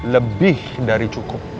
lebih dari cukup